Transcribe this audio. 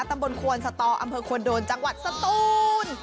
ตำบลควนสตออำเภอควนโดนจังหวัดสตูน